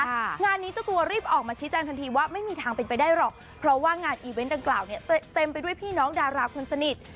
งานนี้เจ้าตัวรีบออกมาชี้แจงทันทีว่าไม่มีทางเป็นไปได้หรอกเพราะว่างานอีเวนต์ดังกล่าวเนี่ยเต็มไปด้วยพี่น้องดาราคนสนิท